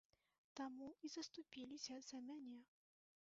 Таму і заступіліся за мяне.